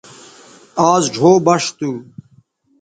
آز ڙھو بݜ تھو